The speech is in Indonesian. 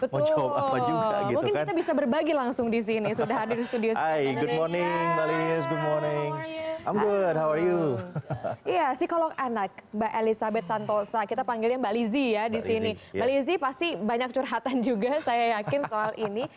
mbak lizzie pasti banyak curhatan juga saya yakin soal ini